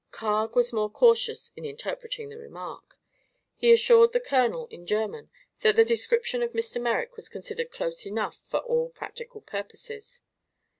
Carg was more cautious in interpreting the remark. He assured the colonel, in German, that the description of Mr. Merrick was considered close enough for all practical purposes.